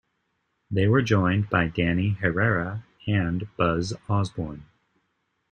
They were joined by Danny Herrera and Buzz Osborne.